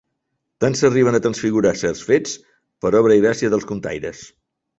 Tant s'arriben a transfigurar certs fets, per obra i gràcia dels contaires.